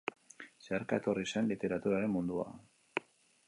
Zeharka etorri zen literaturaren mundua.